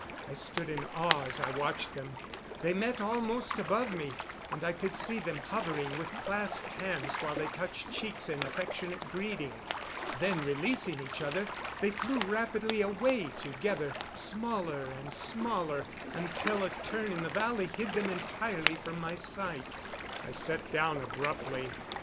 I stood in awe as I watched them. They met almost above me, and I could see them hovering with clasped hands while they touched cheeks in affectionate greeting. Then, releasing each other, they flew rapidly away together smaller and smaller, until a turn in the valley hid them entirely from my sight. I sat down abruptly.